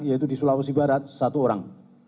yaitu di sulawesi barat satu orang